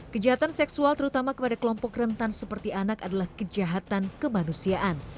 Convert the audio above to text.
kejahatan seksual terutama kepada kelompok rentan seperti anak adalah kejahatan kemanusiaan